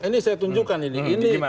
ini saya tunjukkan ini